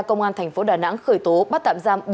công an tp đà nẵng khởi tố bắt tạm giam